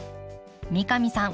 三上さん